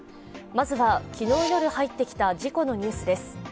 まずは昨日夜入ってきた事故のニュースです。